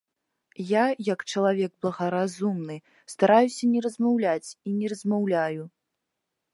Я, як чалавек благаразумны, стараюся не размаўляць і не размаўляю.